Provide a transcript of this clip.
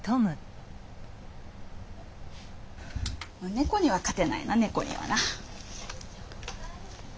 猫には勝てないな猫にはな。